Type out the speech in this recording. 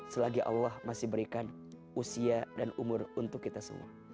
selagi allah masih berikan usia dan umur untuk kita semua